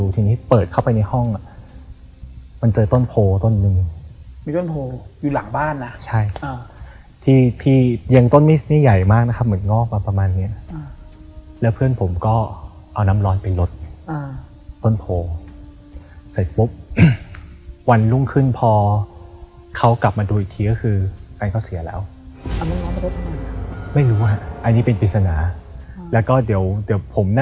ทีนี้เปิดเข้าไปในห้องอ่ะมันเจอต้นโพต้นหนึ่งมีต้นโพอยู่หลังบ้านนะใช่ที่ยังต้นมิสนี่ใหญ่มากนะครับเหมือนงอกมาประมาณเนี้ยแล้วเพื่อนผมก็เอาน้ำร้อนไปลดต้นโพเสร็จปุ๊บวันรุ่งขึ้นพอเขากลับมาดูอีกทีก็คือแฟนเขาเสียแล้วไม่รู้อันนี้เป็นปริศนาแล้วก็เดี๋ยวผม